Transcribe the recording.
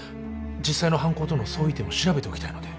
実際の犯行との相違点を調べておきたいので。